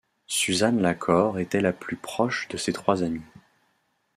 Suzanne Lacore était la plus proche de ses trois amies.